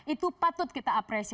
itu patut kita apresiasi